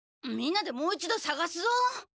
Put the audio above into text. みんなでもう一度さがすぞ。